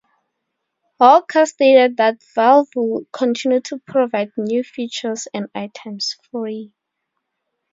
Walker stated that Valve would continue to provide new features and items free.